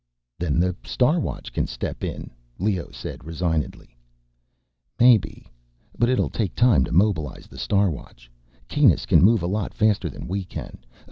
"Then the Star Watch can step in," Leoh said, resignedly. "Maybe ... but it'll take time to mobilize the Star Watch ... Kanus can move a lot faster than we can.